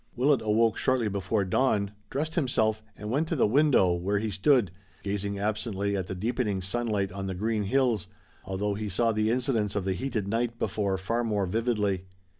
Willet awoke shortly after dawn, dressed himself and went to the window, where he stood, gazing absently at the deepening sunlight on the green hills, although he saw the incidents of the heated night before far more vividly.